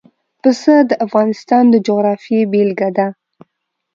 پسه د افغانستان د جغرافیې بېلګه ده.